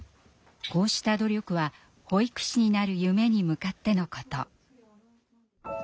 こうした努力は保育士になる夢に向かってのこと。